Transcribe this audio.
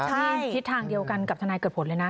ใช่ทิศทางเดียวกันกับทนายเกิดผลเลยนะ